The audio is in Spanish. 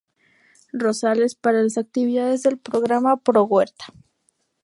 Rosales para las actividades del Programa Pro-huerta.